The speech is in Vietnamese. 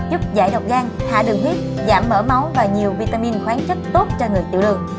giúp giải độc gan hạ đường huyết giảm mở máu và nhiều vitamin khoáng chất tốt cho người tiểu đường